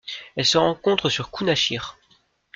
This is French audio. Elle se rencontre sur Kounachir.